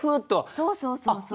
そうそうそうそう。